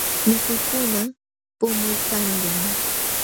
Mikuykuna puqumuykanñam.